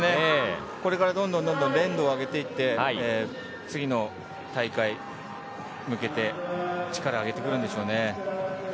これからどんどん錬度を上げていって次の大会に向けて力を上げてくるんでしょうね。